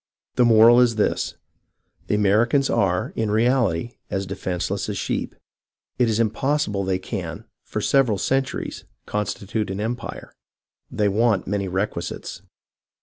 " The moral is this : The Americans are, in reality, as defenceless as sheep ; it is impossible they can, for several centuries, constitute an empire ; they want many requi sites.